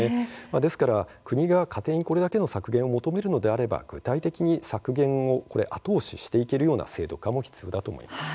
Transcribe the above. ですから国が家庭にこれだけの削減を求めるのであれば具体的に削減を後押しする制度も必要だと思います。